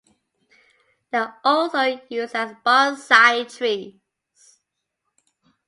They are also used as bonsai trees.